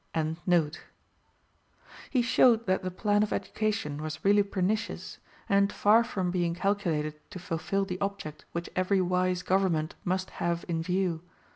p. 146).] He showed that the plan of education was really pernicious, and far from being calculated to fulfil the object which every wise government must have in view.